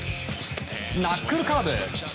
ナックルカーブ。